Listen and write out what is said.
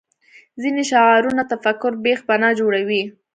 ځینې شعارونه تفکر بېخ بنا جوړوي